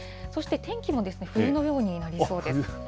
そして天気も冬のようになりそうです。